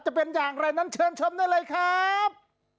จะเป็นอย่างไรนั้นเชิญชมได้เลยครับ